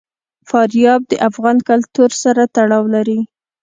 فاریاب د افغان کلتور سره تړاو لري.